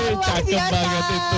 waduh cakep banget itu